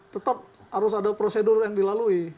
tetap harus ada prosedur yang dilalui